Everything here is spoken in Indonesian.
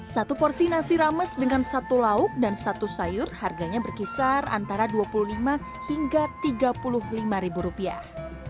satu porsi nasi rames dengan satu lauk dan satu sayur harganya berkisar antara dua puluh lima hingga tiga puluh lima ribu rupiah